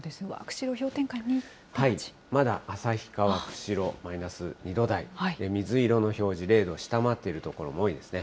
釧路、まだ旭川、釧路マイナス２度台、水色の表示、０度下回っている所も多いですね。